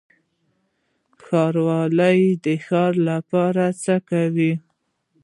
ښاروالي د ښار لپاره څه کوي؟